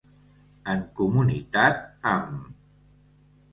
En comunitat amb.